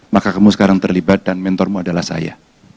maka kamu sekarang terlibat dan mentormu adalah saya